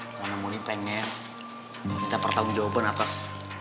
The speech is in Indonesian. karena moni pengen minta pertanggung jawaban atas